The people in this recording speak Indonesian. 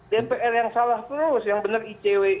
dpr yang salah terus yang benar icw